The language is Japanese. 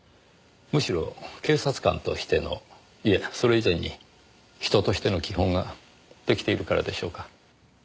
むしろ警察官としてのいえそれ以前に人としての基本が出来ているからでしょうか。